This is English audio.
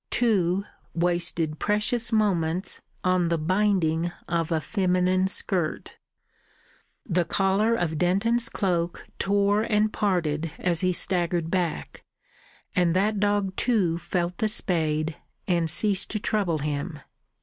Two wasted precious moments on the binding of a feminine skirt. The collar of Denton's cloak tore and parted as he staggered back; and that dog too felt the spade, and ceased to trouble him.